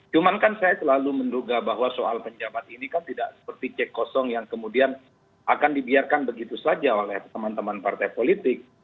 cuman kan saya selalu menduga bahwa soal penjabat ini kan tidak seperti cek kosong yang kemudian akan dibiarkan begitu saja oleh teman teman partai politik